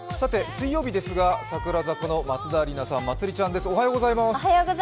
水曜日ですが櫻坂の松田里奈さん、まつりちゃんです、おはようございます。